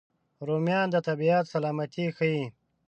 رومیان د طبیعت سلامتي ښيي